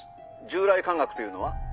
従来科学というのは？